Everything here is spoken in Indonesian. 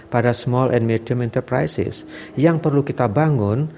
pada small and medium enterprises yang perlu kita bangun